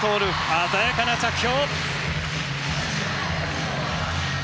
鮮やかな着氷！